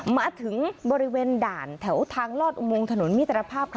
มาถึงบริเวณด่านแถวทางลอดอุโมงถนนมิตรภาพค่ะ